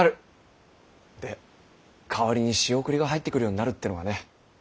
で代わりに仕送りが入ってくるようになるってのがね。